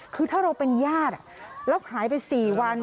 คือถ้าเราเป็นญาติแล้วหายไป๔วัน